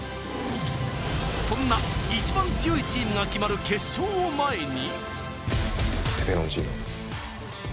そんなイチバン強いチームが決まる決勝を前に。